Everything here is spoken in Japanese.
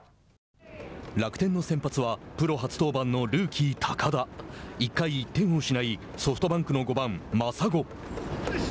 楽天の先発は、プロ初登板のルーキー高田。１回、１点を失いソフトバンクの５番真砂。